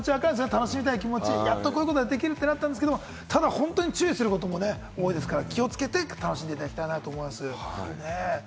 楽しみたい気持ち、やっと、こういうことができるってなったんですけれど、ただ本当に注意することも多いですから気をつけて楽しんでいただきたいなと思います。